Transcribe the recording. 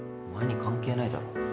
お前に関係ないだろ。